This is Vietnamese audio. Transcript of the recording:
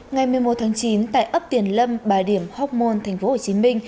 ngày một mươi một tháng chín tại ấp tiền lâm bãi điểm hóc môn tp hcm